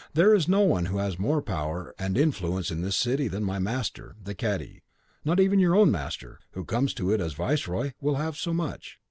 There is no one who has more power and influence in this city than my master, the Cadi; not even your own master, who comes to it as viceroy, will have so much.